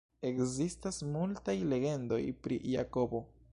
Ekzistas multaj legendoj pri Jakobo.